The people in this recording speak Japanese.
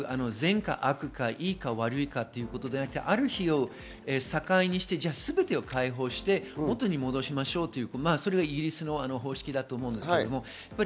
善か悪か、いいか悪いかではなく、ある日を境にして、全て解放して元に戻しましょうというイギリスの方式だと思います。